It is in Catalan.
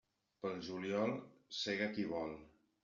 Pel juliol sega qui vol.